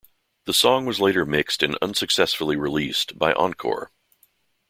The song was later mixed and unsuccessfully released by Encore!.